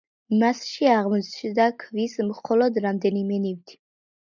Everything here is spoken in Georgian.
მასში აღმოჩნდა ქვის მხოლოდ რამდენიმე ნივთი.